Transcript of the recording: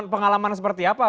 pengalaman seperti apa